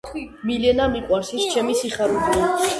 მილენა მიყვარს ის ჩემი სიხარულია